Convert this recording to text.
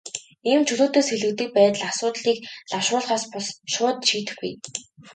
Ийм чөлөөтэй сэлгэдэг байдал асуудлыг лавшруулахаас бус, шууд шийдэхгүй.